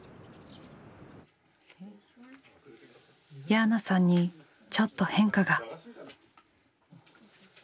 ヤーナさんにちょっと変化が。